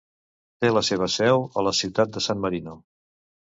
Té la seva seu a la ciutat de San Marino.